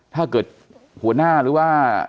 ถ้าเกิดหัวหน้าหรือว่า